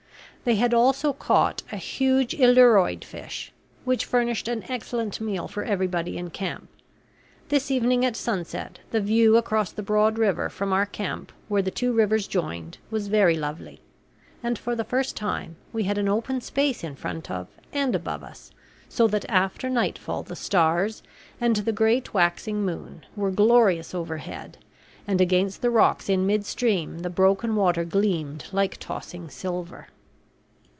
They had also caught a huge iluroid fish, which furnished an excellent meal for everybody in camp. This evening at sunset the view across the broad river, from our camp where the two rivers joined, was very lovely; and for the first time we had an open space in front of and above us, so that after nightfall the stars, and the great waxing moon, were glorious over head, and against the rocks in midstream the broken water gleamed like tossing silver.